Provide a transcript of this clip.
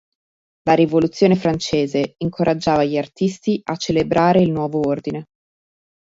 La rivoluzione francese incoraggiava gli artisti a celebrare il nuovo ordine.